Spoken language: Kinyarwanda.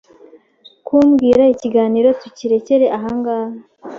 kumbwira ikiganiro tukirekere ahangaha